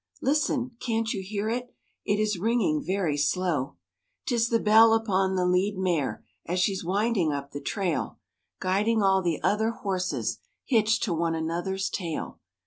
Listen! can't you hear it? It is ringing very slow. 'Tis the bell upon the lead mare, As she's winding up the trail, Guiding all the other horses, Hitched to one another's tail.